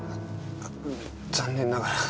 残念ながら。